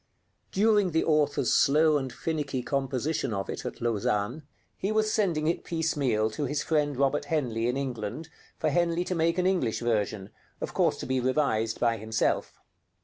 During the author's slow and finicky composition of it at Lausanne, he was sending it piecemeal to his friend Robert Henley in England for Henley to make an English version, of course to be revised by himself.